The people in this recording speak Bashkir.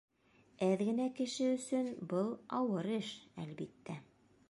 Әҙ генә кеше өсөн был ауыр эш, әлбиттә.